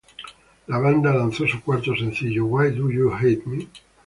La banda lanzó su cuarto sencillo "Why Do You Hate Me?